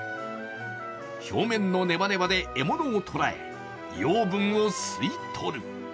表面のネバネバで獲物を捕らえ、養分を吸い取る。